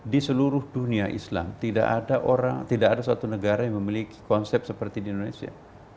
di seluruh dunia islam tidak ada orang tidak ada suatu negara yang memiliki konsep seperti di indonesia